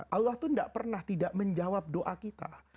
allah itu tidak pernah tidak menjawab doa kita